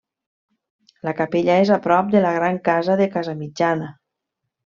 La capella és a prop de la gran casa de Casamitjana.